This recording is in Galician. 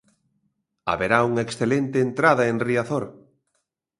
Haberá unha excelente entrada en Riazor.